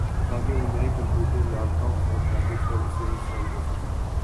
تاکہ وہ نئی کمپیوٹر ، لیپ ٹاپس اور ٹیبلٹس پر اسے انسٹال کر سکیں